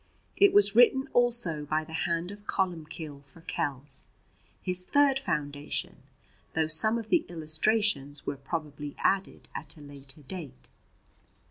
It was written also by the hand of Columbcille for Kells, his third foundation, though some of the illustrations were probably added at a later date.